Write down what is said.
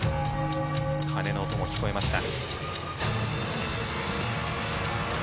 鐘の音も聞こえました。